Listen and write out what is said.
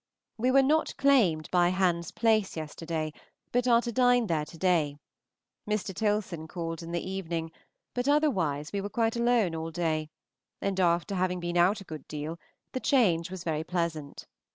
We were not claimed by Hans Place yesterday, but are to dine there to day. Mr. Tilson called in the evening, but otherwise we were quite alone all day; and after having been out a good deal, the change was very pleasant.